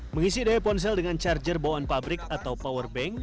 mengisi daya ponsel dengan charger bawaan pabrik atau powerbank